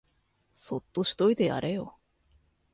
そっとしといてやれよ